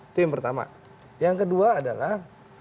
itu yang pertama yang kedua adalah